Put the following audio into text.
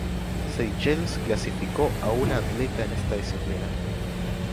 Seychelles clasificó a una atleta en esta disciplina.